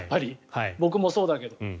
僕もそうだけど。